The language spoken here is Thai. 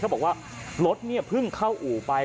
เขาบอกว่ารถเพิ่งเข้าอู่ไป